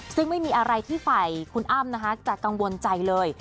ซึ่งไม่มีอะไรที่ฝ่ายคุณอ้ำจะกังวลใจเลย